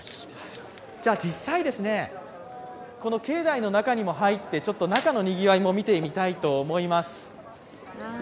実際、境内の中にも入って、中のにぎわいも見てみたいと思います。